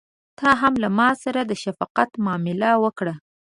ته هم له ماسره د شفقت معامله وکړه.